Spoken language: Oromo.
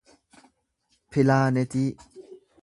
pilaanetii